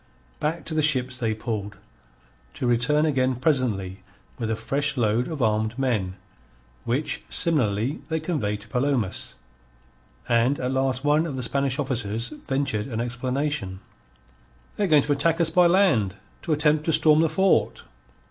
Back to the ships they pulled, to return again presently with a fresh load of armed men, which similarly they conveyed to Palomas. And at last one of the Spanish officers ventured an explanation: "They are going to attack us by land to attempt to storm the fort."